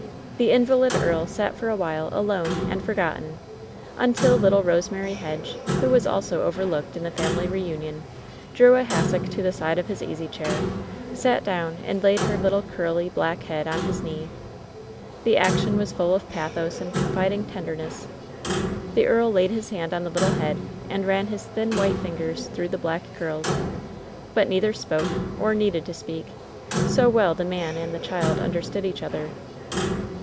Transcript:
The invalid earl sat for a while alone and forgotten, imtil little Rosemary Hedge, who was also overlooked in the family reunion, drew a hassock to the side of his easy chair, sat down and laid her little, curly black head on his knee. The action was full of pathos and confiding tenderness. The earl laid his hand on the little head and ran his thin, white fingers through the black curls. But neither spoke, or needed to speak — so well the man and the child imderstood each other.